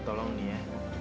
kita tolong nih ya